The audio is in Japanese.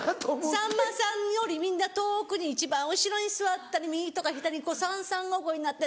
さんまさんよりみんな遠くに一番後ろに座ったり右とか左に三々五々になって。